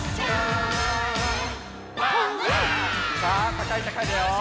たかいたかいだよ！